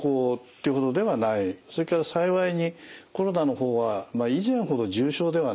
それから幸いにコロナの方は以前ほど重症ではない。